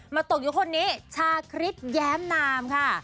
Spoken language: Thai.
ตกอยู่คนนี้ชาคริสแย้มนามค่ะ